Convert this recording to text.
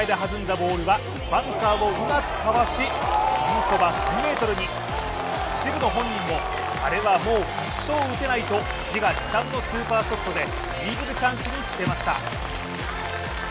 ボールはバンカーをうまくかわしピンそば３ｍに、渋野本人もあれはもう一生打てないと自画自賛のスーパーショットでイーグルチャンスにつけました。